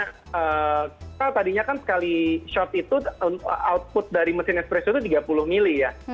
kita tadinya kan sekali shot itu output dari mesin espresso itu tiga puluh mili ya